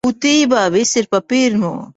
Būtībā viss ir pa pirmo.